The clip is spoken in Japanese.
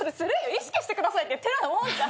意識してくださいって言ってるようなもんじゃん。